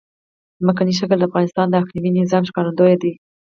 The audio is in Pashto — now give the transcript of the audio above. ځمکنی شکل د افغانستان د اقلیمي نظام ښکارندوی ده.